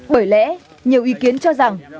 bởi lẽ nhiều ý kiến cho rằng